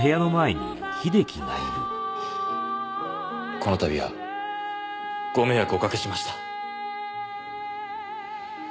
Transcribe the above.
この度はご迷惑をおかけしました。